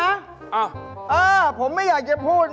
อ้าวผมไม่อยากจะพูดนะ